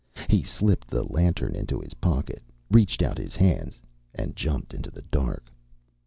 He slipped the lantern into his pocket, reached out his hands, and jumped into the dark.